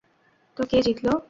তো, কে জিতল?